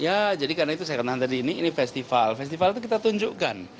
yaa jadi karena itu saya ketahuan tadi ini festival festival itu kita tunjukkan